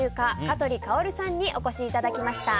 香取薫さんにお越しいただきました。